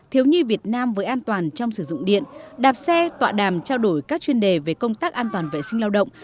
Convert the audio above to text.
thiếu nhi việt nam với an toàn trong sử dụng điện đạp xe tọa đàm trao đổi các chuyên đề về công tác an toàn vệ sinh lao động